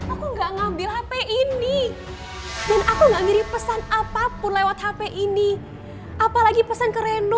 aku nggak ngambil hp ini aku nggak ngiri pesan apapun lewat hp ini apalagi pesan keren